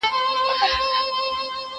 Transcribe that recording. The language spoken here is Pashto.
زه هره ورځ زدکړه کوم؟!